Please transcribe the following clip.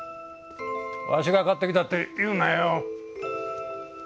わしが買ってきたって言うなよ。